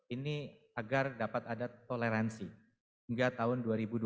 ini agar dapat ada toleransi hingga tahun dua ribu dua puluh empat